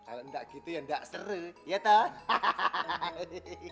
anak kita yang enak seru ya tau